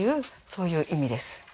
そういう意味です。